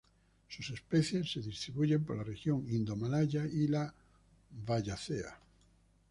Sus especies se distribuyen por la región indomalaya y la Wallacea.